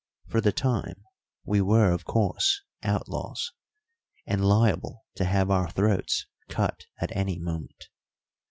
For the time we were, of course, outlaws, and liable to have our throats cut at any moment.